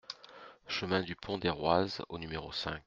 Chemin du Pont des Roises au numéro cinq